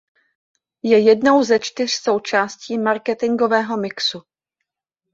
Je jednou ze čtyř součástí marketingového mixu.